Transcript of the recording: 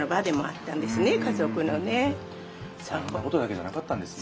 たいへんなことだけじゃなかったんですね。